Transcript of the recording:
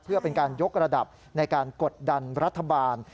เพื่อเป็นการยกระดับในการกดดันรัฐบาล